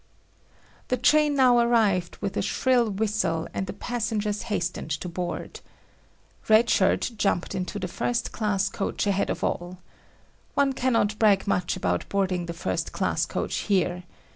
The train now arrived with a shrill whistle and the passengers hastened to board. Red Shirt jumped into the first class coach ahead of all. One cannot brag much about boarding the first class coach here.